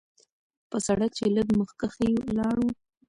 پۀ سړک چې لږ مخکښې لاړو